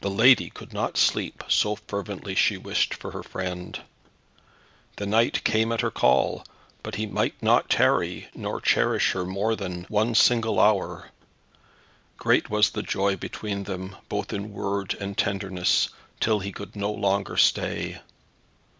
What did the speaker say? The lady could not sleep, so fervently she wished for her friend. The knight came at her call, but he might not tarry, nor cherish her more than one single hour. Great was the joy between them, both in word and tenderness, till he could no longer stay.